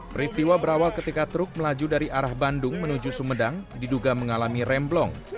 peristiwa berawal ketika truk melaju dari arah bandung menuju sumedang diduga mengalami remblong